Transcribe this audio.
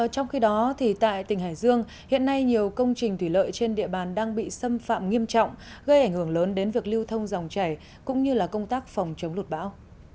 trong khi đó tại tỉnh hải dương hiện nay nhiều công trình thủy lợi trên địa bàn đang bị xâm phạm nghiêm trọng gây ảnh hưởng lớn đến việc lưu thông dòng chảy cũng như công tác phòng chống lụt bão